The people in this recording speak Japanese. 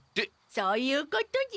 そういうことじゃ。